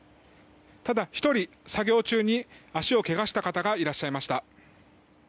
ただ、１人作業中に足をけがした方がいらっしゃいました。